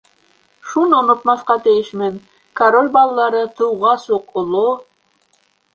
Шуны онотмаҫҡа тейешмен: король балалары тыуғас уҡ оло...